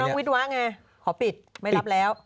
วิทวะไงขอปิดไม่รับแล้ว